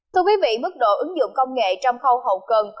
thưa quý vị mức độ ứng dụng công nghệ trong khâu hậu cần